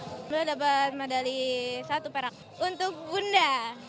saya dapat medali satu perak untuk bunda